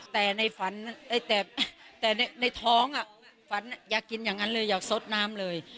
แต่ในฝันแต่ในท้องฝันอยากกินอย่างนั้นเลยอยากสดน้ำเลย